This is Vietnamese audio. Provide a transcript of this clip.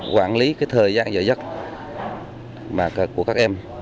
để quản lý cái thời gian dở dắt của các em